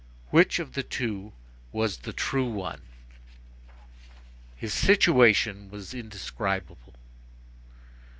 Which of the two was the true one? His situation was indescribable.